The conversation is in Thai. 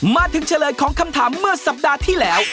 เฉลยของคำถามเมื่อสัปดาห์ที่แล้ว